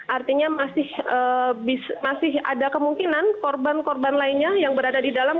artinya masih ada kemungkinan korban korban lainnya yang berada di dalam